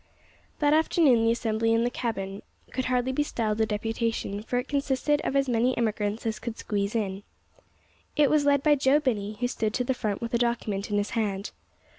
That afternoon the assembly in the cabin could hardly be styled a deputation, for it consisted of as many of the emigrants as could squeeze in. It was led by Joe Binney, who stood to the front with a document in his hand.